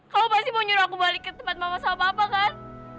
kamu pasti mau nyuruh aku balik ke tempat mama sama papa kan